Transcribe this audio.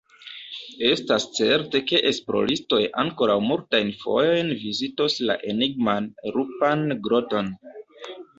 Estas certe, ke esploristoj ankoraŭ multajn fojojn vizitos la enigman Lupan Groton.